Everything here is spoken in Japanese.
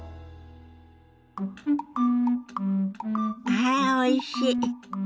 はあおいしい。